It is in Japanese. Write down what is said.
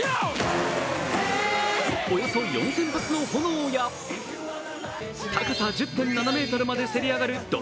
およそ４０００発の炎や、高さ１０．７ｍまでせり上がるド